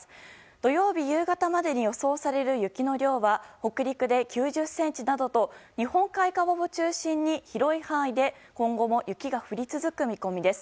土曜日夕方までに予想される雪の量は、北陸で９０ｃｍなどと日本海側を中心に広い範囲で今後も雪が降り続く見込みです。